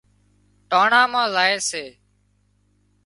ٽانڻا مان زائي سي